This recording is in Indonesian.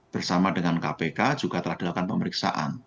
bersama dengan kpk juga telah dilakukan pemeriksaan